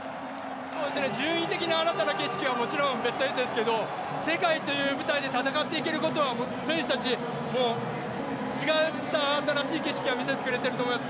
順位的な新たな景色はもちろんベスト８ですけれども世界という舞台で戦っていけることは、選手たちは違った新しい景色を見せてくれていると思います。